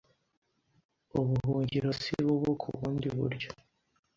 Ubuhungiro sibubu ku bundi.buryo